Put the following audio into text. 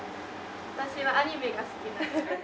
私はアニメが好きなんです。